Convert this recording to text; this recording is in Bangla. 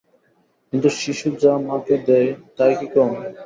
কিন্তু শিশু যা মাকে দেয়, তাই কি কম?